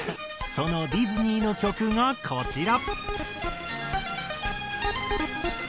そのディズニーの曲がこちら。